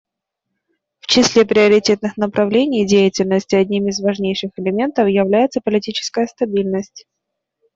В числе приоритетных направлений деятельности одним из важнейших элементов является политическая стабильность.